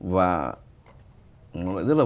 và nó lại rất là